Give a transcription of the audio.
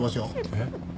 えっ？